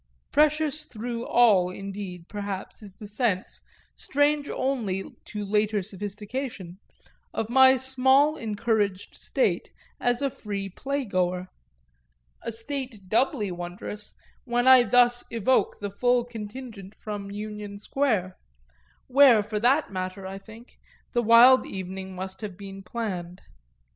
Precious through all indeed perhaps is the sense, strange only to later sophistication, of my small encouraged state as a free playgoer a state doubly wondrous while I thus evoke the full contingent from Union Square; where, for that matter, I think, the wild evening must have been planned.